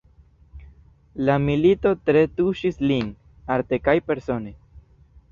La milito tre tuŝis lin, arte kaj persone.